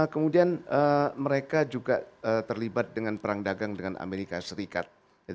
kemudian mereka juga terlibat dengan perang dagang dengan amerika serikat